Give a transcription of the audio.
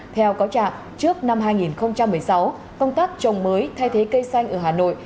theo cáo trạng trước năm hai nghìn một mươi sáu công tác trồng mới thay thế cây xanh ở hà nội